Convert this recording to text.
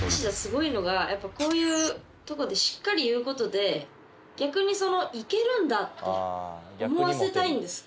やっぱこういうとこでしっかり言う事で逆に「いけるんだ」って思わせたいんですって。